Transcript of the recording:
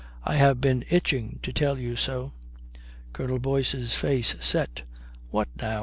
"I have been itching to tell you so." Colonel Boyce's face set. "What now?